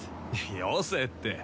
よせって。